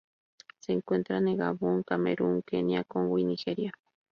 Se encuentra en Gabón, Camerún, Kenia, Congo y Nigeria.